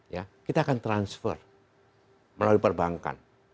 ya kita akan transfer melalui perbankan